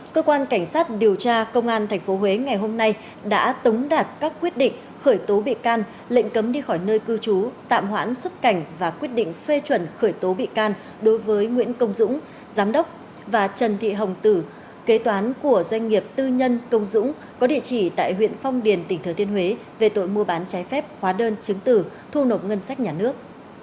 cơ quan cảnh sát điều tra công an tp huế ngày hôm nay đã tống đạt các quyết định khởi tố bị can lệnh cấm đi khỏi nơi cư trú tạm hoãn xuất cảnh và quyết định phê chuẩn khởi tố bị can đối với nguyễn công dũng giám đốc và trần thị hồng tử kế toán của doanh nghiệp tư nhân công dũng có địa chỉ tại huyện phong điền tỉnh thờ thiên huế về tội mua bán trái phép hóa đơn chứng tử thu nộp ngân sách nhà nước